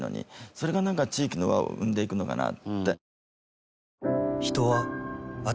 それがなんか地域の輪を生んでいくのかなって。